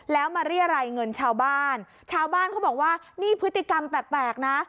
แล้วมาเรียรัยเงินชาวบ้านชาวบ้านชาวบ้านเขาบอกว่านี่พฤติกรรมแปลกนะ